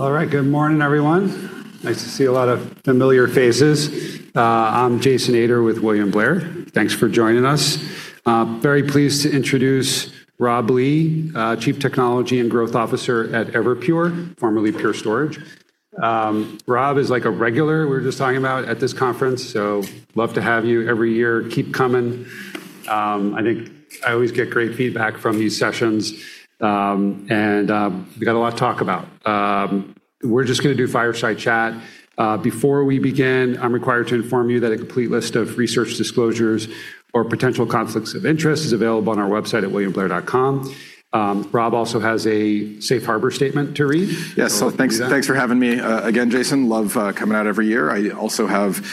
All right. Good morning, everyone. Nice to see a lot of familiar faces. I'm Jason Ader with William Blair. Thanks for joining us. Very pleased to introduce Rob Lee, Chief Technology and Growth Officer at Everpure, formerly Pure Storage. Rob is a regular, we were just talking about, at this conference. Love to have you every year. Keep coming. I think I always get great feedback from these sessions. We've got a lot to talk about. We're just going to do fireside chat. Before we begin, I'm required to inform you that a complete list of research disclosures or potential conflicts of interest is available on our website at williamblair.com. Rob also has a safe harbor statement to read. Yes. Why don't you do that? Thanks for having me again, Jason. Love coming out every year. I also have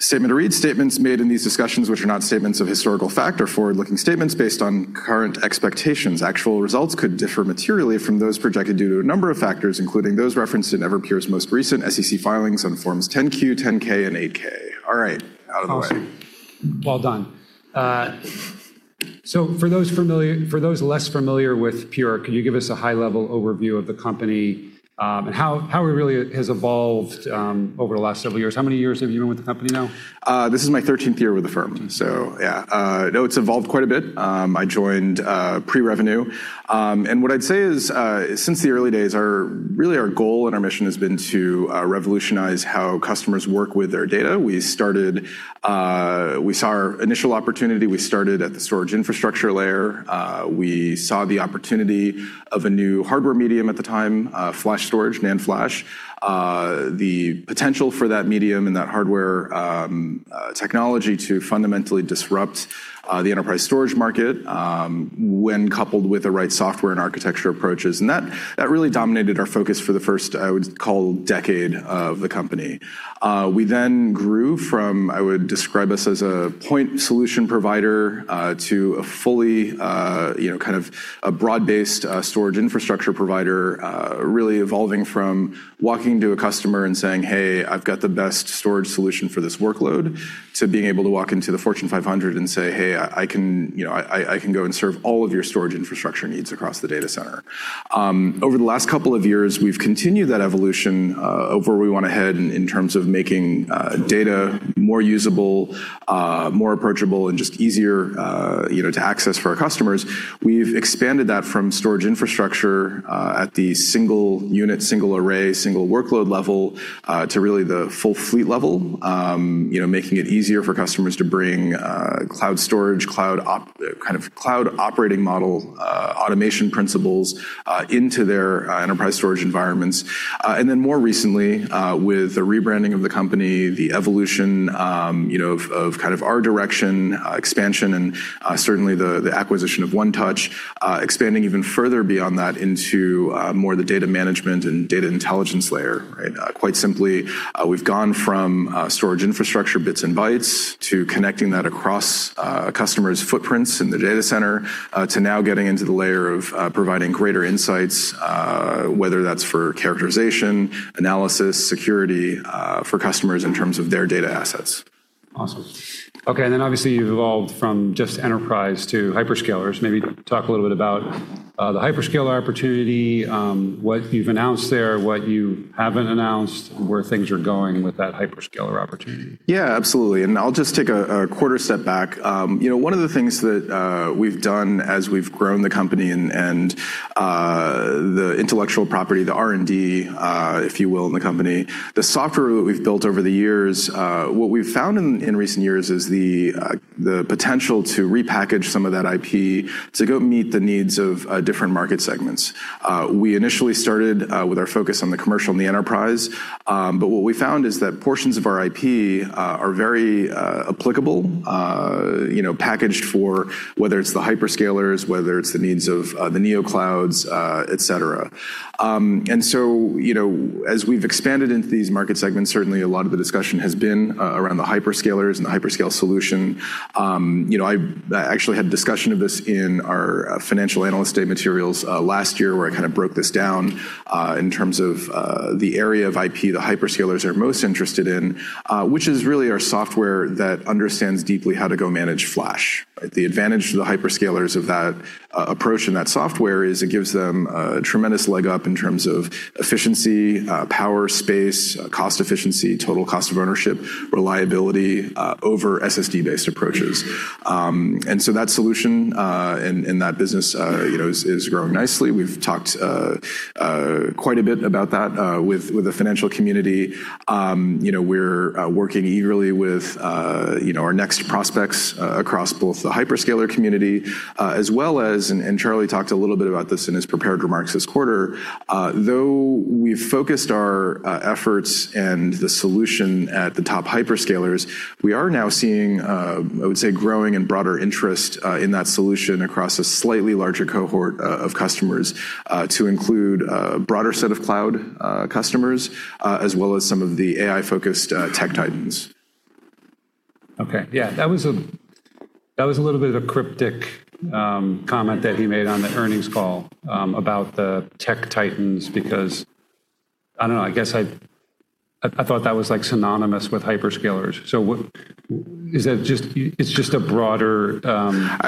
a statement to read. "Statements made in these discussions which are not statements of historical fact are forward-looking statements based on current expectations. Actual results could differ materially from those projected due to a number of factors, including those referenced in Everpure's most recent SEC filings on Forms 10-Q, 10-K, and 8-K." All right. Out of the way. Awesome. Well done. For those less familiar with Everpure, could you give us a high-level overview of the company and how it really has evolved over the last several years? How many years have you been with the company now? This is my 13th year with the firm. 13th year. Yeah. It's evolved quite a bit. I joined pre-revenue. What I'd say is, since the early days, really our goal and our mission has been to revolutionize how customers work with their data. We started, we saw our initial opportunity. We started at the storage infrastructure layer. We saw the opportunity of a new hardware medium at the time, flash storage, NAND flash. The potential for that medium and that hardware technology to fundamentally disrupt the enterprise storage market when coupled with the right software and architecture approaches. That really dominated our focus for the first, I would call, decade of the company. We then grew from, I would describe us as a point solution provider, to a fully kind of a broad-based storage infrastructure provider. Really evolving from walking to a customer and saying, "Hey, I've got the best storage solution for this workload," to being able to walk into the Fortune 500 and say, "Hey, I can go and serve all of your storage infrastructure needs across the data center." Over the last couple of years, we've continued that evolution of where we want to head in terms of making data more usable, more approachable, and just easier to access for our customers. We've expanded that from storage infrastructure at the single unit, single array, single workload level, to really the full fleet level. Making it easier for customers to bring cloud storage, cloud operating model automation principles into their enterprise storage environments. Then more recently, with the rebranding of the company, the evolution of our direction, expansion, and certainly the acquisition of 1touch, expanding even further beyond that into more the data management and data intelligence layer. Quite simply, we've gone from storage infrastructure, bits and bytes, to connecting that across a customer's footprints in the data center, to now getting into the layer of providing greater insights, whether that's for characterization, analysis, security for customers in terms of their data assets. Awesome. Okay, obviously you've evolved from just enterprise to hyperscalers. Maybe talk a little bit about the hyperscaler opportunity, what you've announced there, what you haven't announced, where things are going with that hyperscaler opportunity. Yeah, absolutely. I'll just take a quarter step back. One of the things that we've done as we've grown the company and the intellectual property, the R&D, if you will, in the company, the software that we've built over the years, what we've found in recent years is the potential to repackage some of that IP to go meet the needs of different market segments. We initially started with our focus on the commercial and the enterprise. What we found is that portions of our IP are very applicable, packaged for whether it's the hyperscalers, whether it's the needs of the neoclouds, et cetera. As we've expanded into these market segments, certainly a lot of the discussion has been around the hyperscalers and the hyperscale solution. I actually had a discussion of this in our Financial Analyst Day materials last year where I kind of broke this down in terms of the area of IP the hyperscalers are most interested in, which is really our software that understands deeply how to go manage flash. The advantage to the hyperscalers of that approach and that software is it gives them a tremendous leg up in terms of efficiency, power, space, cost efficiency, total cost of ownership, reliability, over SSD-based approaches. That solution in that business is growing nicely. We've talked quite a bit about that with the financial community. We're working eagerly with our next prospects across both the hyperscaler community as well as, and Charlie talked a little bit about this in his prepared remarks this quarter, though we've focused our efforts and the solution at the top hyperscalers, we are now seeing, I would say, growing and broader interest in that solution across a slightly larger cohort of customers to include a broader set of cloud customers, as well as some of the AI-focused tech titans. Okay. Yeah, that was a little bit of a cryptic comment that he made on the earnings call about the tech titans because, I don't know, I guess I thought that was synonymous with hyperscalers.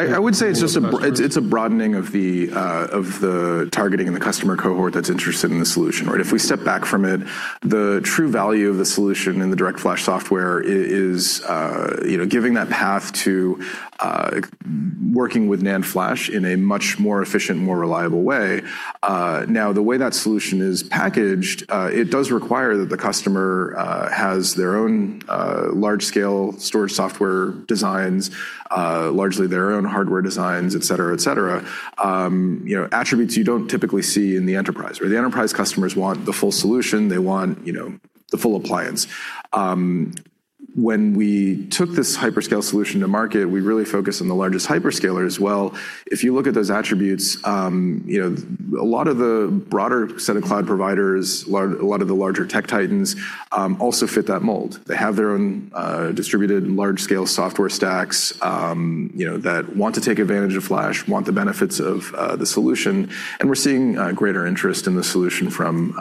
I would say it's a broadening of the targeting and the customer cohort that's interested in the solution, right? If we step back from it, the true value of the solution in the DirectFlash software is giving that path to working with NAND flash in a much more efficient, more reliable way. Now, the way that solution is packaged, it does require that the customer has their own large-scale storage software designs, largely their own hardware designs, et cetera. Attributes you don't typically see in the enterprise. Where the enterprise customers want the full solution, they want the full appliance. When we took this hyperscale solution to market, we really focused on the largest hyperscalers. Well, if you look at those attributes, a lot of the broader set of cloud providers, a lot of the larger tech titans, also fit that mold. They have their own distributed large-scale software stacks that want to take advantage of flash, want the benefits of the solution, and we're seeing greater interest in the solution from,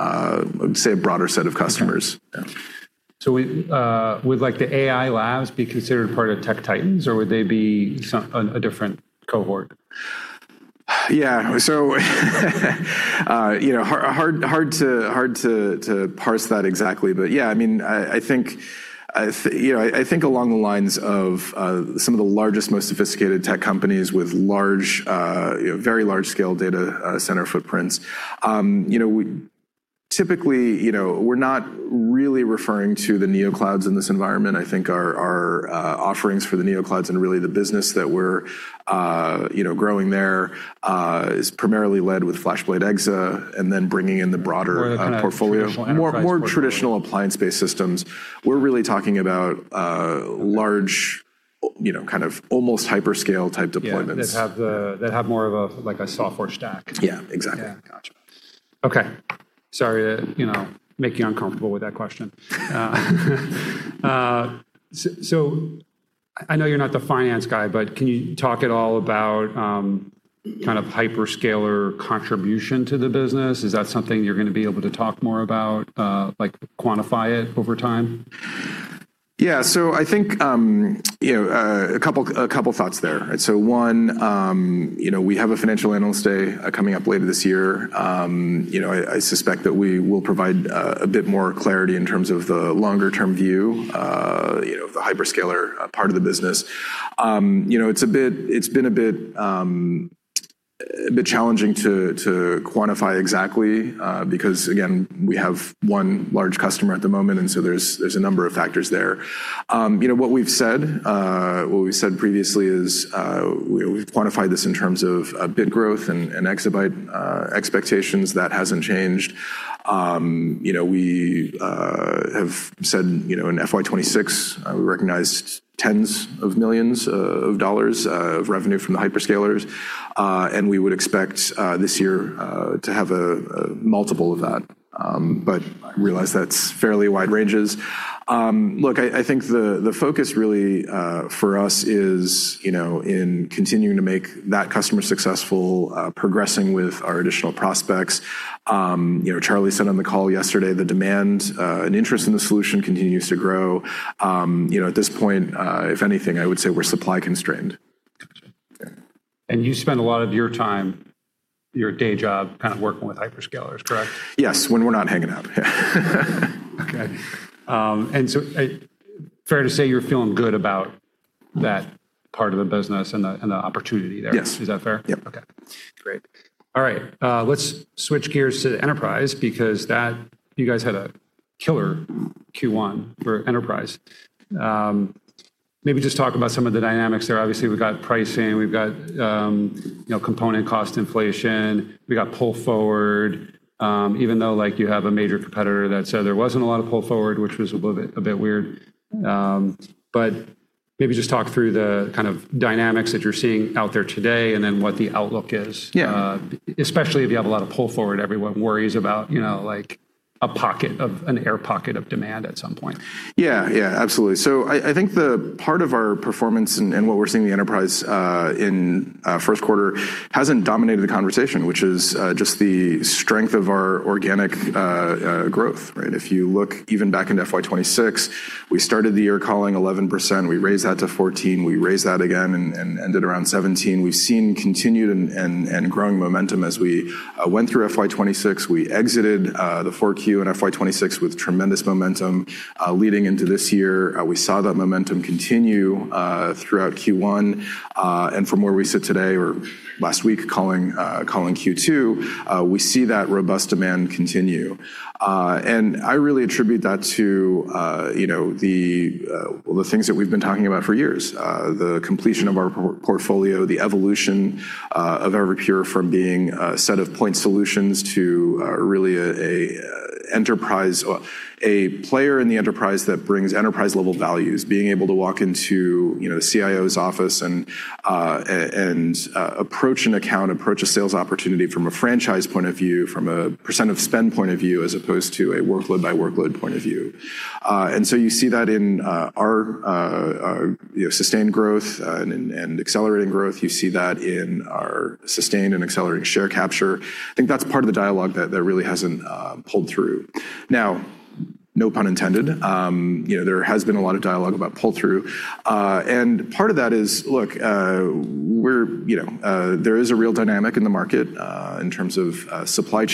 say, a broader set of customers. Okay. Yeah. Would the AI labs be considered part of tech titans, or would they be a different cohort? Yeah. Hard to parse that exactly. Yeah, I think along the lines of some of the largest, most sophisticated tech companies with very large-scale data center footprints. Typically, we're not really referring to the neoclouds in this environment. I think our offerings for the neoclouds and really the business that we're growing there is primarily led with FlashBlade//EXA, and then bringing in the broader portfolio. More the kind of traditional enterprise portfolio. More traditional appliance-based systems. We're really talking about large, almost hyperscale-type deployments. Yeah. That have more of a software stack. Yeah, exactly. Yeah. Got you. Okay. Sorry to make you uncomfortable with that question. I know you're not the finance guy, but can you talk at all about hyperscaler contribution to the business? Is that something you're going to be able to talk more about, like quantify it over time? Yeah. I think a couple of thoughts there. One, we have a Financial Analyst Day coming up later this year. I suspect that we will provide a bit more clarity in terms of the longer-term view, of the hyperscaler part of the business. It's been a bit challenging to quantify exactly, because again, we have one large customer at the moment, and so there's a number of factors there. What we've said previously is, we've quantified this in terms of bit growth and exabyte expectations. That hasn't changed. We have said, in FY 2026, we recognized tens of millions of dollars of revenue from the hyperscalers. We would expect this year to have a multiple of that. I realize that's fairly wide ranges. Look, I think the focus really, for us is in continuing to make that customer successful, progressing with our additional prospects. Charlie said on the call yesterday, the demand and interest in the solution continues to grow. At this point, if anything, I would say we're supply constrained. You spend a lot of your time, your day job, kind of working with hyperscalers, correct? Yes, when we're not hanging out. Okay. Fair to say you're feeling good about that part of the business and the opportunity there? Yes. Is that fair? Yep. Okay. Great. All right. Let's switch gears to enterprise because you guys had a killer Q1 for enterprise. Maybe just talk about some of the dynamics there. Obviously, we've got pricing, we've got component cost inflation, we've got pull forward, even though you have a major competitor that said there wasn't a lot of pull forward, which was a bit weird. Maybe just talk through the kind of dynamics that you're seeing out there today and then what the outlook is. Yeah. Especially if you have a lot of pull forward, everyone worries about an air pocket of demand at some point. Yeah. Absolutely. I think the part of our performance and what we're seeing the enterprise in first quarter hasn't dominated the conversation, which is just the strength of our organic growth. Right. If you look even back into FY 2026, we started the year calling 11%, we raised that to 14, we raised that again and ended around 17. We've seen continued and growing momentum as we went through FY 2026. We exited the 4Q and FY 2026 with tremendous momentum. Leading into this year, we saw that momentum continue throughout Q1. From where we sit today or last week calling Q2, we see that robust demand continue. I really attribute that to the things that we've been talking about for years. The completion of our portfolio, the evolution of Everpure from being a set of point solutions to really a player in the enterprise that brings enterprise-level values. Being able to walk into the CIO's office and approach an account, approach a sales opportunity from a franchise point of view, from a percent of spend point of view, as opposed to a workload by workload point of view. You see that in our sustained growth and accelerating growth. You see that in our sustained and accelerating share capture. I think that's part of the dialogue that really hasn't pulled through. Now, no pun intended, there has been a lot of dialogue about pull-through. Part of that is, look, there is a real dynamic in the market in terms of supply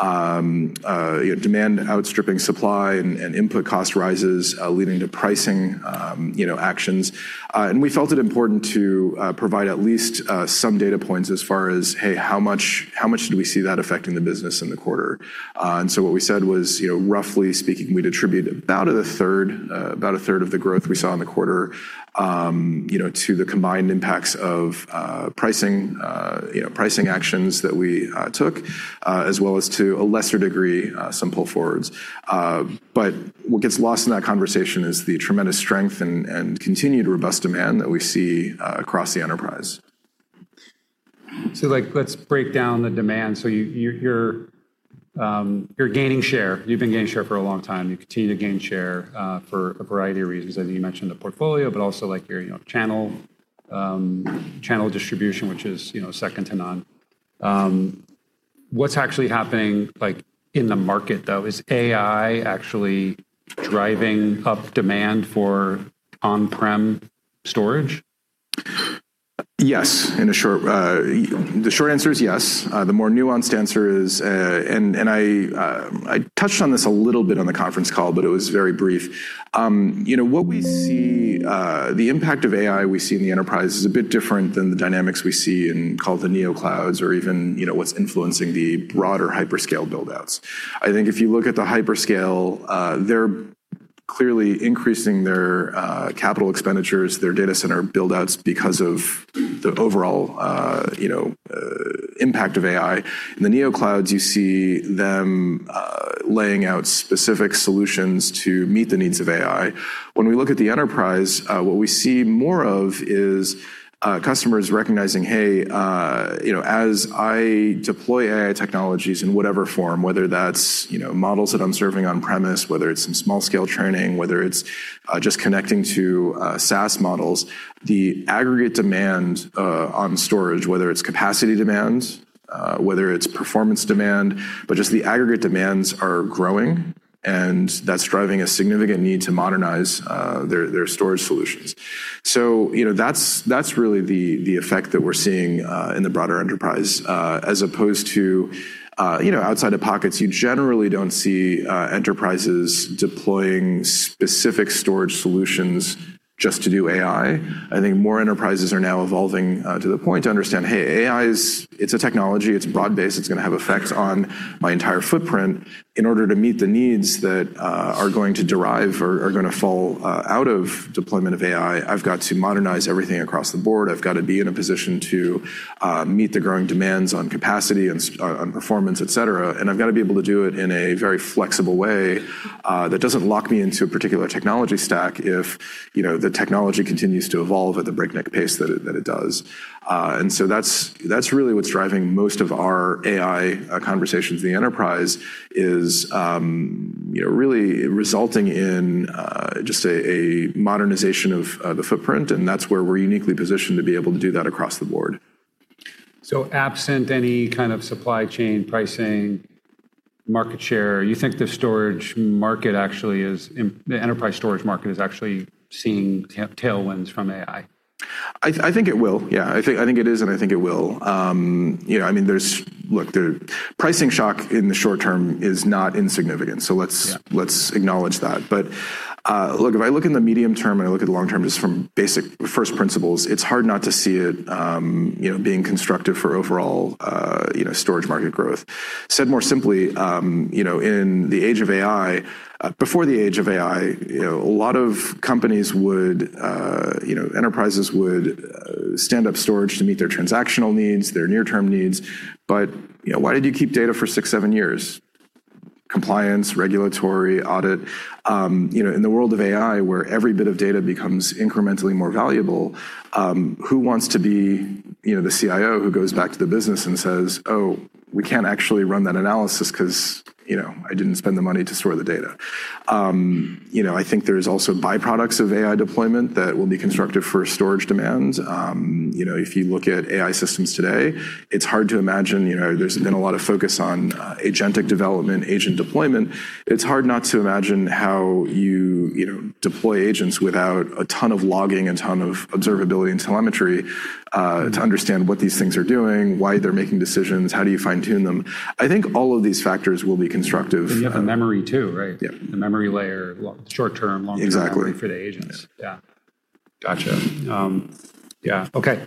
chain, demand outstripping supply, and input cost rises leading to pricing actions. We felt it important to provide at least some data points as far as, hey, how much do we see that affecting the business in the quarter? What we said was, roughly speaking, we'd attribute about a third of the growth we saw in the quarter to the combined impacts of pricing actions that we took, as well as, to a lesser degree, some pull forwards. What gets lost in that conversation is the tremendous strength and continued robust demand that we see across the enterprise. Let's break down the demand. You're gaining share. You've been gaining share for a long time. You continue to gain share for a variety of reasons. I think you mentioned the portfolio, but also your channel distribution, which is second to none. What's actually happening in the market, though? Is AI actually driving up demand for on-prem storage? Yes. The short answer is yes. The more nuanced answer is, I touched on this a little bit on the conference call, but it was very brief. What we see, the impact of AI we see in the enterprise is a bit different than the dynamics we see in, call it, the neoclouds, or even what's influencing the broader hyperscale build-outs. I think if you look at the hyperscale, they're clearly increasing their capital expenditures, their data center build-outs because of the overall impact of AI. In the neoclouds, you see them laying out specific solutions to meet the needs of AI. When we look at the enterprise, what we see more of is customers recognizing, hey, as I deploy AI technologies in whatever form, whether that's models that I'm serving on premise, whether it's some small-scale training, whether it's just connecting to SaaS models, the aggregate demand on storage, whether it's capacity demand, whether it's performance demand, but just the aggregate demands are growing, and that's driving a significant need to modernize their storage solutions. That's really the effect that we're seeing in the broader enterprise. As opposed to outside of pockets, you generally don't see enterprises deploying specific storage solutions just to do AI. I think more enterprises are now evolving to the point to understand, hey, AI, it's a technology, it's broad-based, it's going to have effects on my entire footprint. In order to meet the needs that are going to derive or are going to fall out of deployment of AI, I've got to modernize everything across the board. I've got to be in a position to meet the growing demands on capacity and on performance, et cetera. I've got to be able to do it in a very flexible way that doesn't lock me into a particular technology stack if the technology continues to evolve at the breakneck pace that it does. That's really what's driving most of our AI conversations. The enterprise is really resulting in just a modernization of the footprint, and that's where we're uniquely positioned to be able to do that across the board. Absent any kind of supply chain pricing market share, you think the enterprise storage market is actually seeing tailwinds from AI? I think it will. Yeah. I think it is, and I think it will. Look, the pricing shock in the short term is not insignificant. Yeah. Let's acknowledge that. Look, if I look in the medium term and I look at the long term, just from basic first principles, it's hard not to see it being constructive for overall storage market growth. Said more simply, in the age of AI. Before the age of AI, a lot of enterprises would stand up storage to meet their transactional needs, their near-term needs. Why did you keep data for six, seven years? Compliance, regulatory, audit. In the world of AI, where every bit of data becomes incrementally more valuable, who wants to be the CIO who goes back to the business and says, "Oh, we can't actually run that analysis because I didn't spend the money to store the data." I think there's also byproducts of AI deployment that will be constructive for storage demands. If you look at AI systems today, it's hard to imagine there's been a lot of focus on agentic development, agent deployment. It's hard not to imagine how you deploy agents without a ton of logging, a ton of observability, and telemetry to understand what these things are doing, why they're making decisions, how do you fine-tune them. I think all of these factors will be constructive. You have the memory, too, right? Yeah. The memory layer, short term, long term. Exactly For the agents. Yeah. Got you. Yeah. Okay.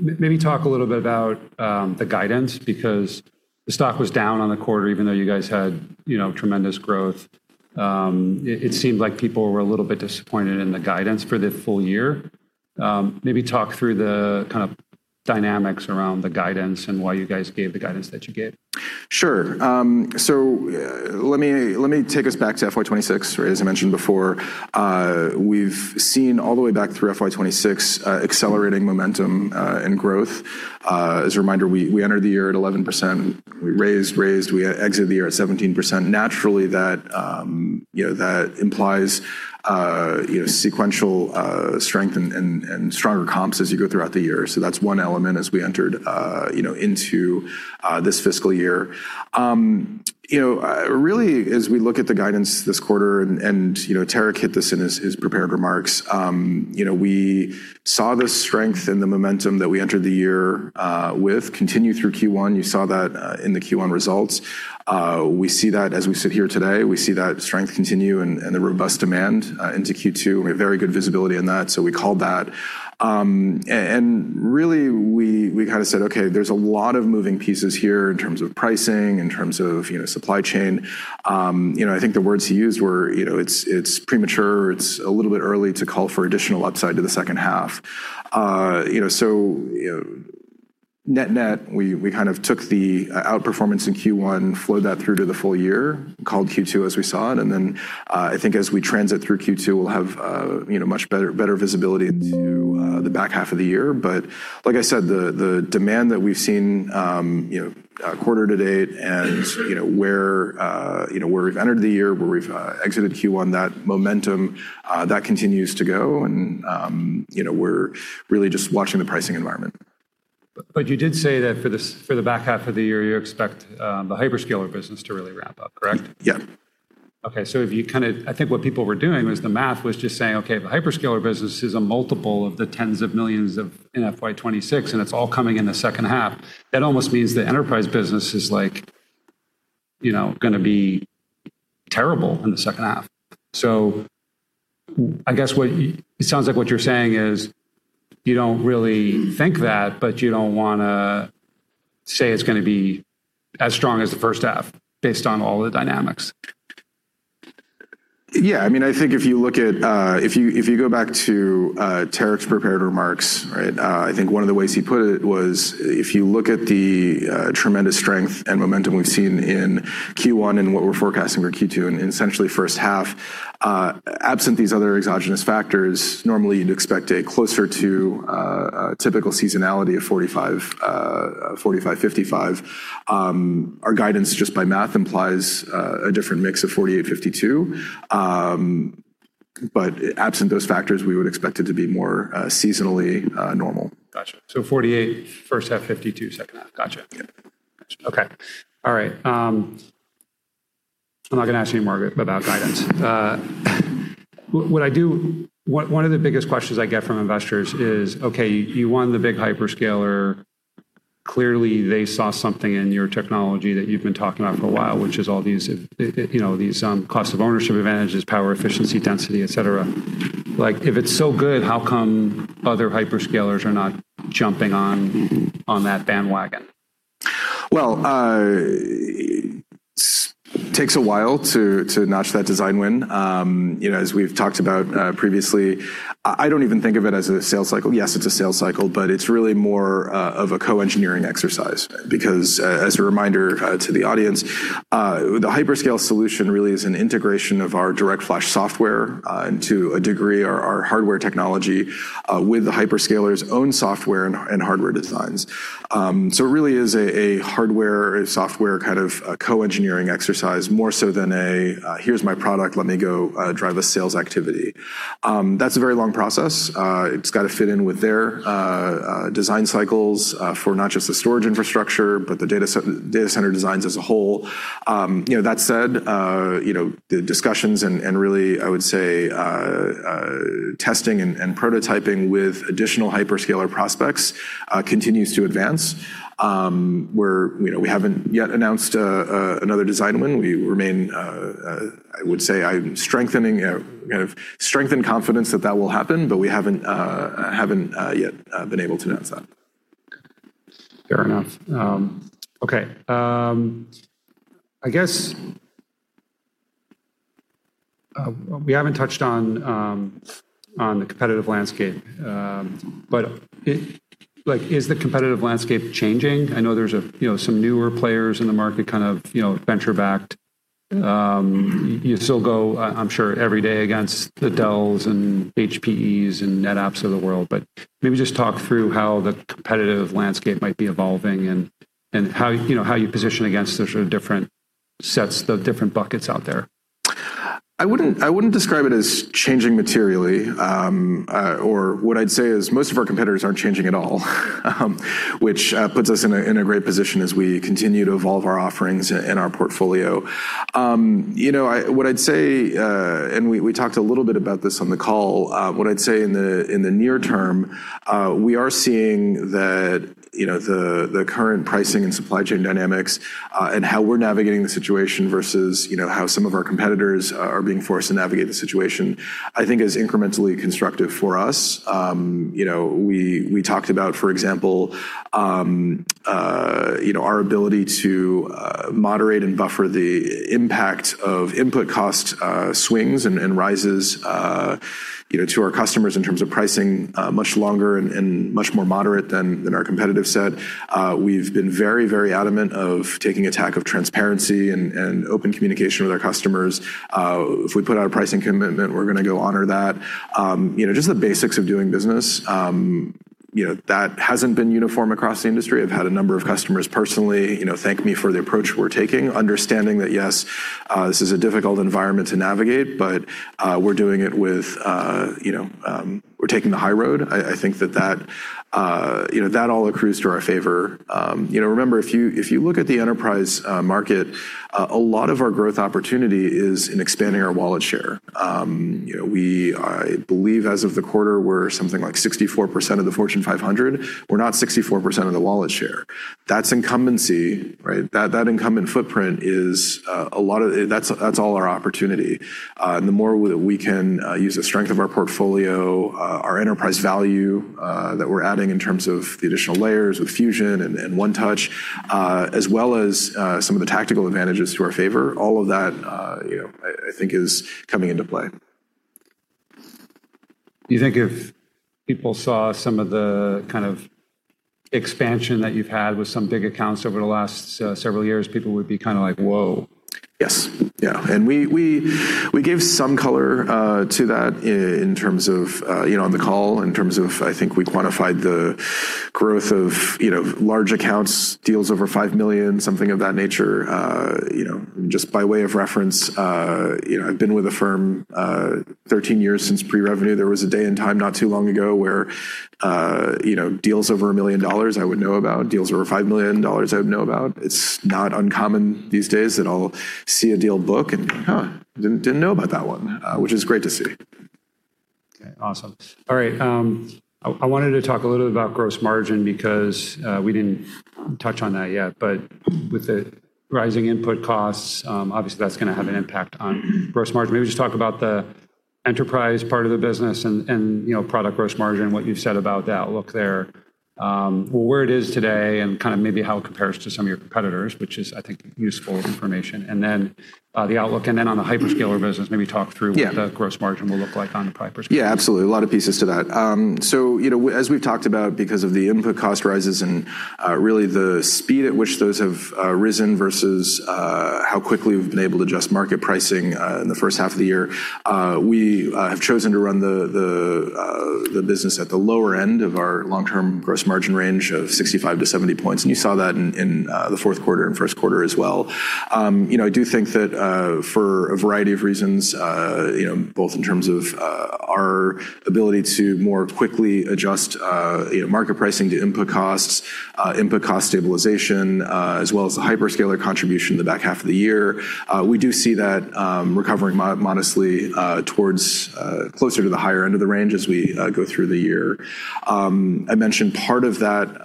Maybe talk a little bit about the guidance, because the stock was down on the quarter, even though you guys had tremendous growth. It seemed like people were a little bit disappointed in the guidance for the full year. Maybe talk through the kind of dynamics around the guidance and why you guys gave the guidance that you gave. Sure. Let me take us back to FY 2026. As I mentioned before, we've seen all the way back through FY 2026 accelerating momentum and growth. As a reminder, we entered the year at 11%. We exited the year at 17%. Naturally, that implies sequential strength and stronger comps as you go throughout the year. That's one element as we entered into this fiscal year. Really, as we look at the guidance this quarter, and Tarek hit this in his prepared remarks, we saw the strength and the momentum that we entered the year with continue through Q1. You saw that in the Q1 results. We see that as we sit here today. We see that strength continue and the robust demand into Q2. We have very good visibility on that. We called that. Really, we said, "Okay, there's a lot of moving pieces here in terms of pricing, in terms of supply chain." I think the words he used were, "It's premature. It's a little bit early to call for additional upside to the second half." Net, we took the outperformance in Q1, flowed that through to the full year, called Q2 as we saw it, and then I think as we transit through Q2, we'll have much better visibility into the back half of the year. Like I said, the demand that we've seen quarter to date and where we've entered the year, where we've exited Q1, that momentum, that continues to go and we're really just watching the pricing environment. You did say that for the back half of the year, you expect the hyperscaler business to really ramp up, correct? Yeah. I think what people were doing was the math was just saying, "Okay, the hyperscaler business is a multiple of the tens of millions in FY 2026, and it's all coming in the second half." That almost means the enterprise business is going to be terrible in the second half. I guess it sounds like what you're saying is you don't really think that, but you don't want to say it's going to be as strong as the first half based on all the dynamics. Yeah. I think if you go back to Tarek's prepared remarks, I think one of the ways he put it was, if you look at the tremendous strength and momentum we've seen in Q1 and what we're forecasting for Q2 and essentially first half, absent these other exogenous factors, normally you'd expect a closer to a typical seasonality of 45/55. Our guidance just by math implies a different mix of 48/52. Absent those factors, we would expect it to be more seasonally normal. Got you. 48 first half, 52 second half. Got you. Yeah. Okay. All right. I'm not going to ask you any more about guidance. One of the biggest questions I get from investors is, okay, you won the big hyperscaler. Clearly, they saw something in your technology that you've been talking about for a while, which is all these cost of ownership advantages, power efficiency, density, et cetera. If it's so good, how come other hyperscalers are not jumping on that bandwagon? Well, it takes a while to notch that design win. As we've talked about previously, I don't even think of it as a sales cycle. Yes, it's a sales cycle, but it's really more of a co-engineering exercise. As a reminder to the audience, the hyperscale solution really is an integration of our DirectFlash software, and to a degree, our hardware technology, with the hyperscaler's own software and hardware designs. It really is a hardware-software co-engineering exercise, more so than a, "Here's my product. Let me go drive a sales activity." That's a very long process. It's got to fit in with their design cycles, for not just the storage infrastructure, but the data center designs as a whole. That said, the discussions and really, I would say, testing and prototyping with additional hyperscaler prospects continues to advance. We haven't yet announced another design win. We remain, I would say, strengthened confidence that that will happen, but we haven't yet been able to announce that. Fair enough. Okay. I guess we haven't touched on the competitive landscape. Is the competitive landscape changing? I know there's some newer players in the market, venture-backed. You still go, I'm sure, every day against the Dells and HPEs and NetApps of the world, maybe just talk through how the competitive landscape might be evolving and how you position against the different sets, the different buckets out there. I wouldn't describe it as changing materially. What I'd say is most of our competitors aren't changing at all, which puts us in a great position as we continue to evolve our offerings and our portfolio. We talked a little bit about this on the call. What I'd say in the near term, we are seeing that the current pricing and supply chain dynamics, and how we're navigating the situation versus how some of our competitors are being forced to navigate the situation, I think is incrementally constructive for us. We talked about, for example, our ability to moderate and buffer the impact of input cost swings and rises to our customers in terms of pricing much longer and much more moderate than our competitive set. We've been very, very adamant of taking a tack of transparency and open communication with our customers. If we put out a pricing commitment, we're going to go honor that. Just the basics of doing business. That hasn't been uniform across the industry. I've had a number of customers personally thank me for the approach we're taking, understanding that, yes, this is a difficult environment to navigate, but we're taking the high road. I think that all accrues to our favor. Remember, if you look at the enterprise market, a lot of our growth opportunity is in expanding our wallet share. We, I believe as of the quarter, we're something like 64% of the Fortune 500. We're not 64% of the wallet share. That's incumbency, right? That incumbent footprint, that's all our opportunity. The more that we can use the strength of our portfolio, our enterprise value that we're adding in terms of the additional layers with Fusion and 1touch, as well as some of the tactical advantages to our favor, all of that I think is coming into play. You think if people saw some of the kind of expansion that you've had with some big accounts over the last several years, people would be kind of like, "Whoa. Yes. We gave some color to that on the call in terms of, I think we quantified the growth of large accounts, deals over $5 million, something of that nature. Just by way of reference, I've been with the firm 13 years since pre-revenue. There was a day and time not too long ago where deals over $1 million, I would know about, deals over $5 million, I would know about. It's not uncommon these days that I'll see a deal book and, "Huh, didn't know about that one," which is great to see. Okay, awesome. All right. I wanted to talk a little bit about gross margin because we didn't touch on that yet. With the rising input costs, obviously that's going to have an impact on gross margin. Maybe just talk about the enterprise part of the business and product gross margin and what you've said about the outlook there. Where it is today, and maybe how it compares to some of your competitors, which is, I think, useful information. Then the outlook, then on the hyperscaler business. Yeah What the gross margin will look like on the hyperscaler. Yeah, absolutely. A lot of pieces to that. As we've talked about, because of the input cost rises and really the speed at which those have risen versus how quickly we've been able to adjust market pricing in the first half of the year, we have chosen to run the business at the lower end of our long-term gross margin range of 65-70 points. You saw that in the fourth quarter and first quarter as well. I do think that for a variety of reasons, both in terms of our ability to more quickly adjust market pricing to input costs, input cost stabilization, as well as the hyperscaler contribution in the back half of the year, we do see that recovering modestly towards closer to the higher end of the range as we go through the year. I mentioned part of that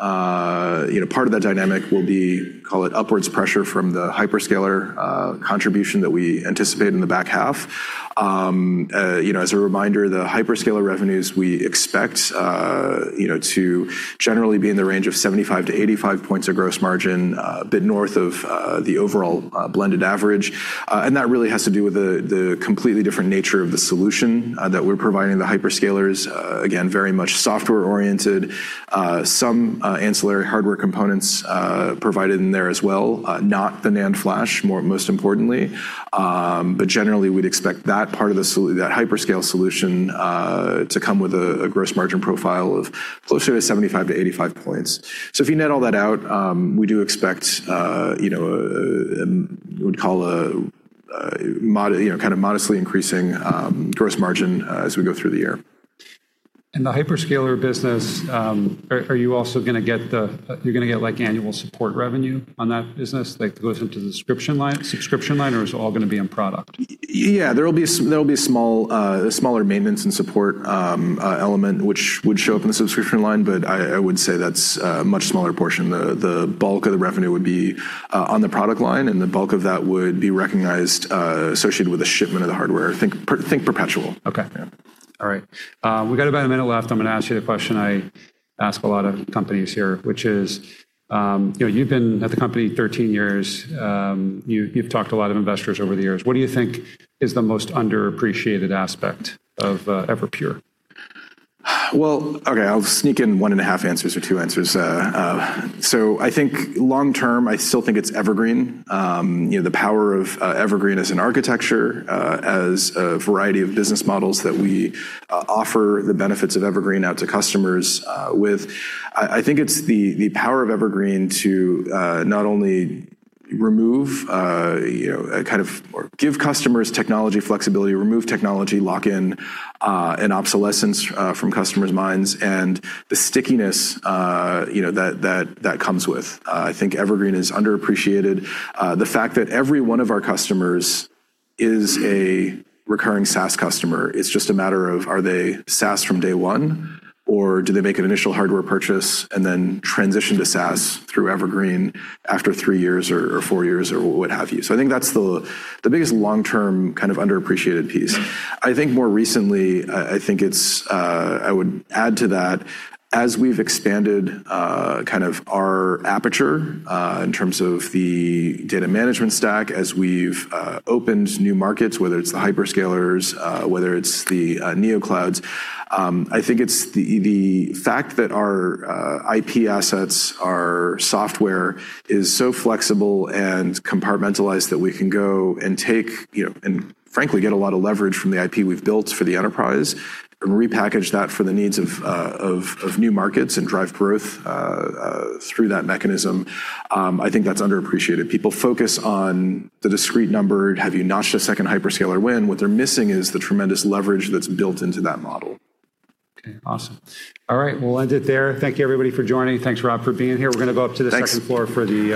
dynamic will be, call it upwards pressure from the hyperscaler contribution that we anticipate in the back half. As a reminder, the hyperscaler revenues, we expect to generally be in the range of 75-85 points of gross margin, a bit north of the overall blended average. That really has to do with the completely different nature of the solution that we're providing the hyperscalers. Again, very much software-oriented. Some ancillary hardware components provided in there as well, not the NAND flash, most importantly. Generally, we'd expect that part of the hyperscale solution to come with a gross margin profile of closer to 75-85 points. If you net all that out, we do expect you would call a kind of modestly increasing gross margin as we go through the year. In the hyperscaler business, are you also going to get annual support revenue on that business that goes into the subscription line, or is it all going to be in product? Yeah, there'll be a smaller maintenance and support element which would show up in the subscription line. I would say that's a much smaller portion. The bulk of the revenue would be on the product line, and the bulk of that would be recognized associated with the shipment of the hardware. Think perpetual. Okay. All right. We got about a minute left. I'm going to ask you the question I ask a lot of companies here, which is, you've been at the company 13 years. You've talked to a lot of investors over the years. What do you think is the most underappreciated aspect of Everpure? Well, okay, I'll sneak in 1.5 answers or two answers. I think long-term, I still think it's Evergreen. The power of Evergreen as an architecture, as a variety of business models that we offer the benefits of Evergreen out to customers with. I think it's the power of Evergreen to not only remove or give customers technology flexibility, remove technology lock-in and obsolescence from customers' minds, and the stickiness that comes with. I think Evergreen is underappreciated. The fact that every one of our customers is a recurring SaaS customer, it's just a matter of are they SaaS from day one, or do they make an initial hardware purchase and then transition to SaaS through Evergreen after three years or four years or what have you. I think that's the biggest long-term underappreciated piece. I think more recently, I would add to that, as we've expanded our aperture in terms of the data management stack, as we've opened new markets, whether it's the hyperscalers, whether it's the neoclouds, I think it's the fact that our IP assets, our software is so flexible and compartmentalized that we can go and take and frankly get a lot of leverage from the IP we've built for the enterprise and repackage that for the needs of new markets and drive growth through that mechanism. I think that's underappreciated. People focus on the discrete number, have you notched a second hyperscaler win? What they're missing is the tremendous leverage that's built into that model. Okay, awesome. All right. We'll end it there. Thank you everybody for joining. Thanks, Rob, for being here. We're going to go up to the second floor for the.